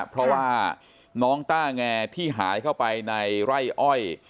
เพราะว่าน้องต้าแงที่หายเข้าไปในไร่อ้อย